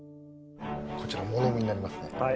こちらもろみになりますね。